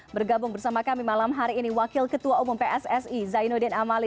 bergabung bersama kami malam hari ini wakil ketua umum pssi zainuddin amali